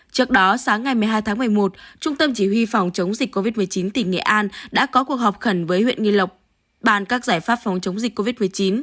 trước đó sáng ngày một mươi hai tháng một mươi một trung tâm chỉ huy phòng chống dịch covid một mươi chín tỉnh nghệ an đã có cuộc họp khẩn với huyện nghi lộc bàn các giải pháp phòng chống dịch covid một mươi chín